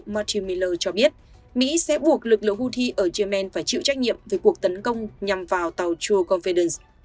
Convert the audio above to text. marty miller cho biết mỹ sẽ buộc lực lượng houthi ở yemen phải chịu trách nhiệm với cuộc tấn công nhằm vào tàu true confidence